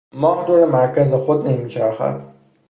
ماه دور مرکز خود نمیچرخد.